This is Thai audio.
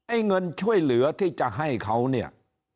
เงินช่วยเหลือที่จะให้เขาเนี่ย